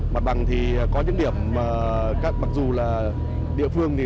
mặt bằng thì có những điểm mà mặc dù là địa phương